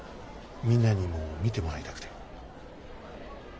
みんなにも見てもらいたくて。